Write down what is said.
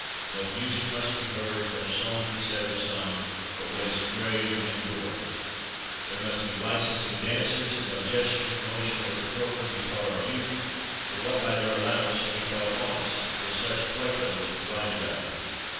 No music must be heard, no song be set or sung, but what is grave and Doric. There must be licensing dancers, that no gesture, motion, or deportment be taught our youth but what by their allowance shall be thought honest ; for such Plato was provided of.